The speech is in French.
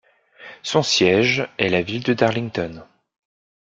Son siège est la ville de Darlington.